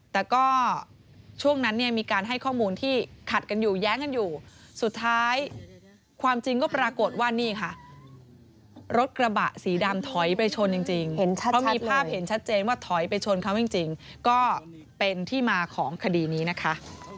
แต่ก็ช่วงนั้นเนี่ยมีการให้ข้อมูลที่ขัดกันอยู่แย้งกันอยู่สุดท้ายความจริงก็ปรากฏว่านี่ค่ะรถกระบะสีดำถอยไปชนจริงเพราะมีภาพเห็นชัดเจนว่าถอยไปชนเขาจริงก็เป็นที่มาของคดีนี้นะคะ